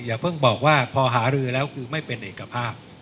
อย่าเพิ่งบอกว่าพอหารือแล้วคือไม่เป็นเอกภาพ